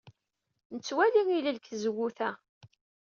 Nettwali ilel seg tzewwut-a.